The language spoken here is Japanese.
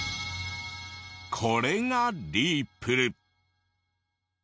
これがリープル。